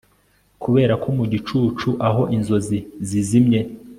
Kuberako mugicucu aho inzozi zizimye